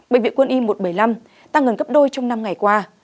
bệnh viện quân y một trăm bảy mươi năm tăng gần gấp đôi trong năm ngày qua